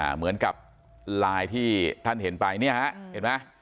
เหมือนกับไลน์ที่ท่านเห็นไปเนี่ยฮะเห็นไหม